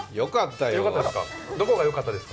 どこがよかったですか？